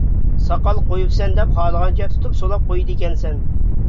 ساقال قۇيۇپسەن-دەپ خالىغانچە تۇتۇپ سۇلاپ قۇيىدىكەنسەن.